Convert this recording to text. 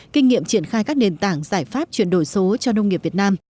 kinh nghiệm triển khai các nền tảng giải pháp chuyển đổi số cho nông nghiệp việt nam